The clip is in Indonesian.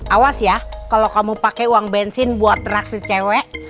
awas ya kalau kamu pakai uang bensin buat reaksi cewek